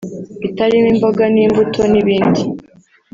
bitarimo imboga n`imbuto n`ibindi